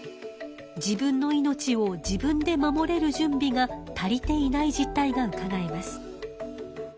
自分の命を自分で守れる準備が足りていない実態がうかがえます。